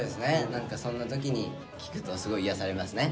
何かそんな時に聴くとすごい癒やされますね。